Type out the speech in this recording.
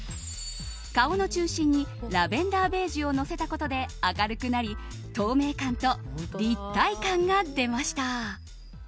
顔の中心にラベンダーベージュをのせたことで明るくなり透明感と立体感が出ました。